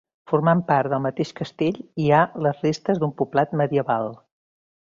Formant part del mateix castell, hi ha les restes d'un poblat medieval.